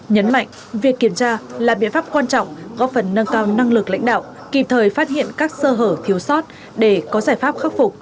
nhấn mạnh việc kiểm tra là biện pháp quan trọng góp phần nâng cao năng lực lãnh đạo kịp thời phát hiện các sơ hở thiếu sót để có giải pháp khắc phục